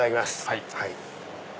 はい。